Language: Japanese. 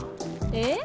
えっ？